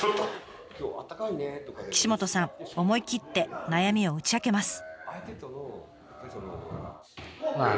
岸本さん思い切って悩みを打ち明けます。